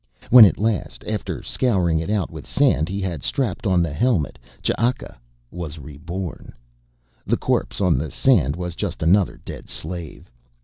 When at last, after scouring it out with sand, he had strapped on the helmet, Ch'aka was reborn. The corpse on the sand was just another dead slave.